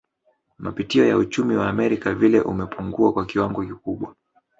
Mapitio ya uchumi wa Amerika vile umepungua kwa kiwango kikubwa